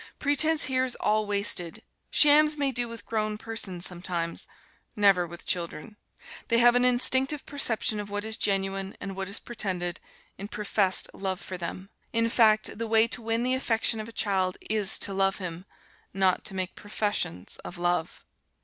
Pretence here is all wasted. Shams may do with grown persons sometimes, never with children. They have an instinctive perception of what is genuine and what is pretended, in professed love for them. In fact, the way to win the affection of a child is to love him, not to make professions of love.